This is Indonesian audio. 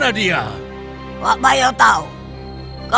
tapi dia bukan orang sembarangan